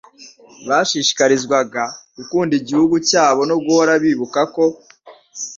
bashishikarizwaga gukunda igihugu cyabo no guhora bibuka ko